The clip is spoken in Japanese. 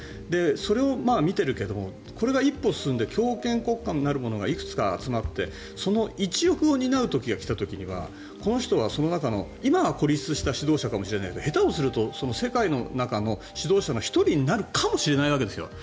それを見ているけどこれが一歩進んで強権国家になるものがいくつか集まってその一翼を担う時が来た時にはこの人はその中の今は孤立した指導者かもしれないけど下手したら世界の指導者の１人になるかもしれないんですよ。